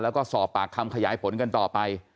แล้วก็สอบปากคำขยายผลกันต่อไป